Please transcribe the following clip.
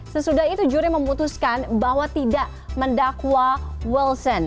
sesudah itu juri memutuskan bahwa tidak mendakwa wilson